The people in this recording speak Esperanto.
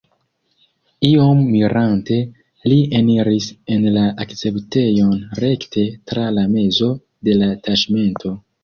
Iom mirante, li eniris en la akceptejon rekte tra la mezo de la taĉmento.